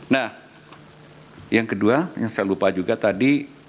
nah yang kedua yang saya lupa juga tadi